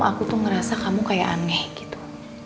aku tuh ngerasa kamu kayak aneh gitu